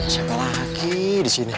siapa lagi disini